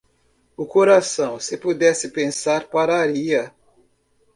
O coração, se pudesse pensar, pararia.